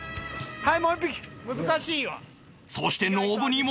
はい。